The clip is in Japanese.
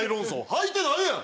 はいてないやん！